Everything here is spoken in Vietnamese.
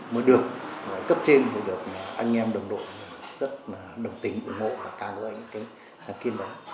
mới được cấp trên mới được anh em đồng đội rất là đồng tính ủng hộ và cao cho những cái sáng kiến đó